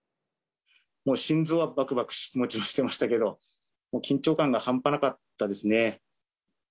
もう心臓はばくばく、もちろんしてましたけれども、もう緊張感が半端なかったですね。